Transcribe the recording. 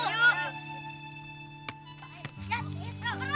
lepas itu beruang